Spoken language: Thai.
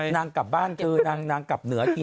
นางกลับบ้านเธอนางกลับเหนือที